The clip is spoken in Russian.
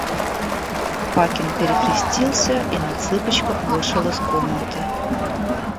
Пакин перекрестился и на цыпочках вышел из комнаты.